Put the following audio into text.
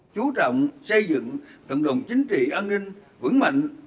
chú trọng xây dựng cộng đồng chính trị an ninh vững mạnh